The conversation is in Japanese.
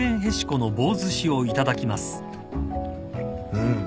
うん。